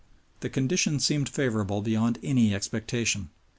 The conditions seemed favorable beyond any expectation.